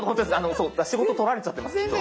仕事取られちゃってますきっと。